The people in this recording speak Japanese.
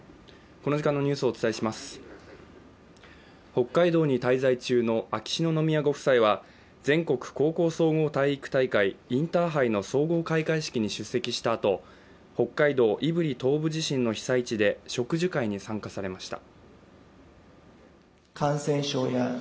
北海道に滞在中の秋篠宮ご夫妻は全国高校総合体育大会インターハイの総合開会式に出席したあと北海道胆振東部地震の被災地で植樹会に参加されました。